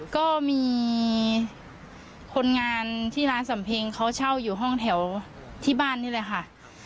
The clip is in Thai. ก็มีคนงานที่ร้านสำเพ็งเขาเช่าอยู่ห้องแถวที่บ้านนี่แหละค่ะ